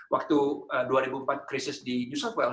waktu dua ribu empat krisis di new south wales